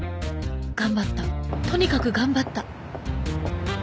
頑張ったとにかく頑張った。